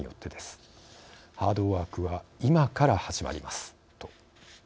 ハードワークは今から始まります」と。